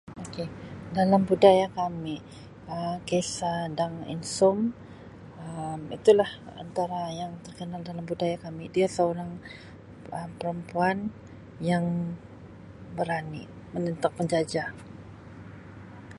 Ok dalam budaya kami Um kisah Dang Insum Um itu lah antara yang terkenal dalam budaya kami dia seorang Um perempuan yang berani menentang penjajah